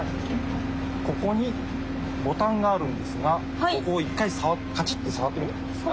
ここにボタンがあるんですがここを１回カチッて触ってみてもらえますか？